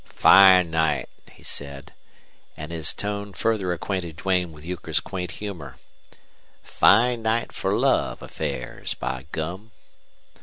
"Fine night," he said; and his tone further acquainted Duane with Euchre's quaint humor. "Fine night for love affairs, by gum!"